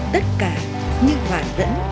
tất cả như hỏa dẫn